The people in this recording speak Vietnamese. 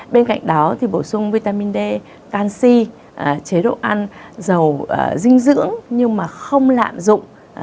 bên cạnh đó thì bổ sung vitamin d canxi chế độ ăn dầu dinh dưỡng nhưng mà không lạm dụng